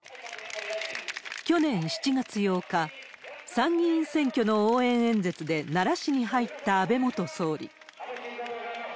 去年７月８日、参議院選挙の応援演説で奈良市に入った安倍元総理。